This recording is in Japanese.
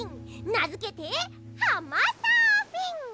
なづけてはまサーフィン！